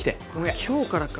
あ今日からか。